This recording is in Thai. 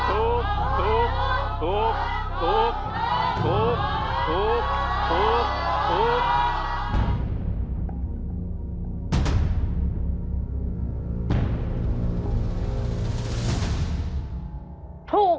ถูกถูกถูก